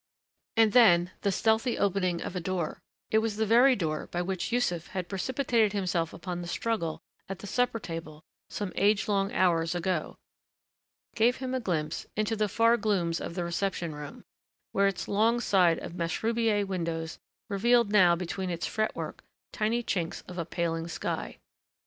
And then the stealthy opening of a door it was the very door by which Yussuf had precipitated himself upon the struggle at the supper table some age long hours ago gave him a glimpse into the far glooms of the reception room, where its long side of mashrubiyeh windows revealed now between its fretwork tiny chinks of a paling sky.